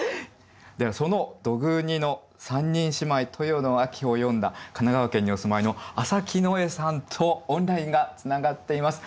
ではその「土偶似の三人姉妹豊の秋」を詠んだ神奈川県にお住まいの浅木ノヱさんとオンラインがつながっています。